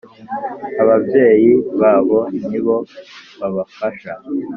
Ababyeyi babo nibo babafasha.